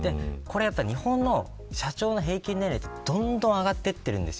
日本の社長の平均年齢はどんどん上がっていっています。